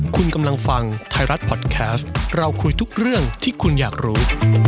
คุณกำลังฟังไทยรัฐพอดแคสต์เราคุยทุกเรื่องที่คุณอยากรู้